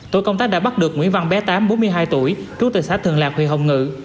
tội công tác đã bắt được nguyễn văn bé tám bốn mươi hai tuổi trú tỉnh sách thường lạc huyện hồng ngự